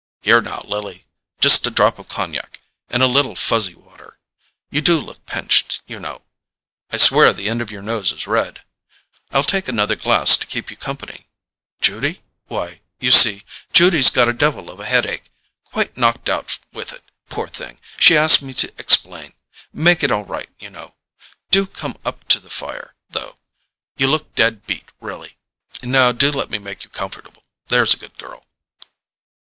"Here, now, Lily, just a drop of cognac in a little fizzy water—you do look pinched, you know: I swear the end of your nose is red. I'll take another glass to keep you company—Judy?—Why, you see, Judy's got a devil of a head ache—quite knocked out with it, poor thing—she asked me to explain—make it all right, you know—Do come up to the fire, though; you look dead beat, really. Now do let me make you comfortable, there's a good girl."